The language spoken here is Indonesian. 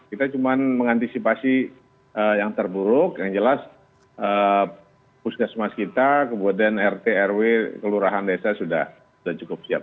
kita cuma mengantisipasi yang terburuk yang jelas puskesmas kita kemudian rt rw kelurahan desa sudah cukup siap